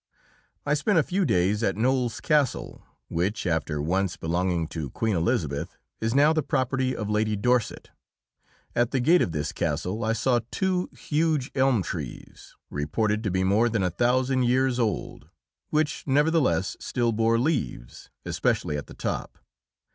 I spent a few days at Knowles Castle, which, after once belonging to Queen Elizabeth, is now the property of Lady Dorset. At the gate of this castle I saw two huge elm trees, reported to be more than 1,000 years old, which, nevertheless, still bore leaves, especially at the top.